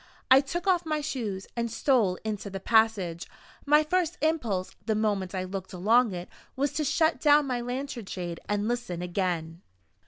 I took off my shoes, and stole into the passage. My first impulse, the moment I looked along it, was to shut down my lantern shade, and listen again.